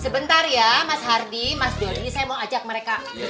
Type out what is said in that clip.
sebentar ya mas hardi mas dori saya mau ajak mereka bicara di dalam